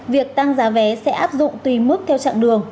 việc tăng giá vé sẽ áp dụng tùy mức theo chặng đường